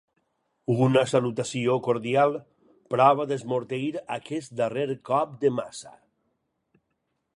Una salutació cordial prova d'esmorteir aquest darrer cop de maça.